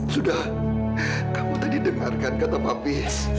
sudah kamu tadi dengarkan kata papi